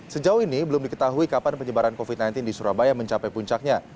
sejauh ini belum diketahui kapan penyebaran covid sembilan belas di surabaya mencapai puncaknya